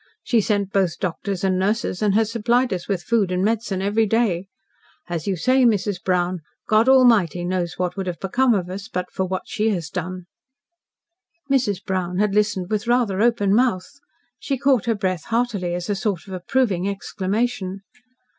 She sent both doctors and nurses, and has supplied us with food and medicine every day. As you say, Mrs. Brown, God Almighty knows what would have become of us, but for what she has done." Mrs. Brown had listened with rather open mouth. She caught her breath heartily, as a sort of approving exclamation.